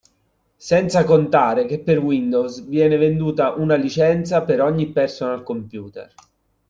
Senza contare che per Windows viene venduta una licenza per ogni personal computer.